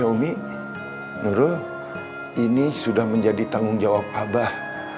hai umi nurul ini sudah menjadi tanggung jawab abah